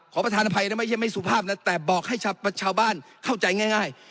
ประธานอภัยนะไม่ใช่ไม่สุภาพนะแต่บอกให้ชาวบ้านเข้าใจง่าย